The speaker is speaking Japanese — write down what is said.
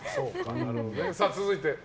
続いて。